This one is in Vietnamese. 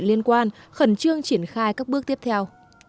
liên quan khẩn trương triển khai các bước tiếp theo